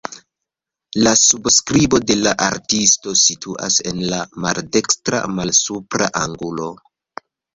La subskribo de la artisto situas en la maldekstra malsupra angulo.